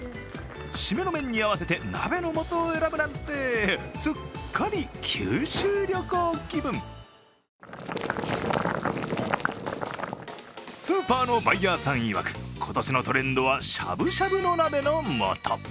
シメの麺に合わせて鍋の素を選ぶなんて、すっかり九州旅行気分スーパーのバイヤーさんいわく今年のトレンドはしゃぶしゃぶの鍋の素。